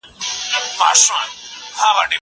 يوسف عليه السلام د خپلو وروڼو سره ښه ورورګلوي وکړه.